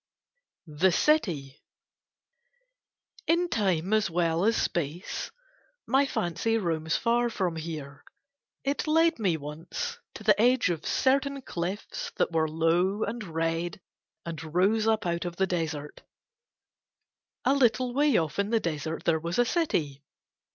THE CITY In time as well as space my fancy roams far from here. It led me once to the edge of certain cliffs that were low and red and rose up out of a desert: a little way off in the desert there was a city.